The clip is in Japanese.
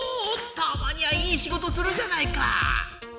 たまにはいいしごとするじゃないか！